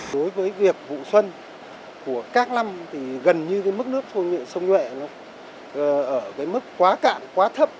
đối với việc vụ xuân của các năm thì gần như mức nước phô nhuệ sông nhuệ ở mức quá cạn quá thấp